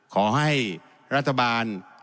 ขอให้รัฐบาล